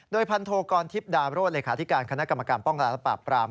โดยพันโทกรทิพย์ดามโรศลิขาธิการคณะกรรมกรรมประปราบ